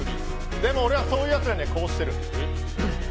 でも俺はそういうやつらにはこうしてる。